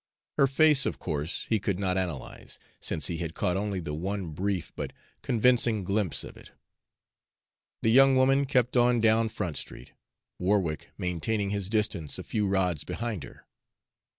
Her face, of course, he could not analyze, since he had caught only the one brief but convincing glimpse of it. The young woman kept on down Front Street, Warwick maintaining his distance a few rods behind her.